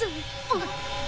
あっ！